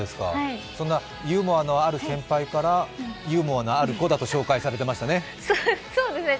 そんなユーモアのある先輩からユーモアのある子だと紹介されてましたね？